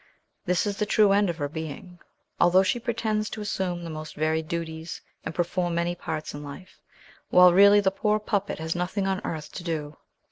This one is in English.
This is the true end of her being, although she pretends to assume the most varied duties and perform many parts in life, while really the poor puppet has nothing on earth to do.